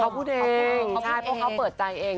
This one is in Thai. เขาพูดเองเขาพลาดเพราะเขาเปิดใจเอง